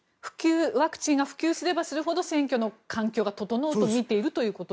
ワクチンが普及すればするほど選挙の環境が整うとみているということですか？